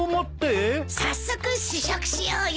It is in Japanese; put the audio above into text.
早速試食しようよ。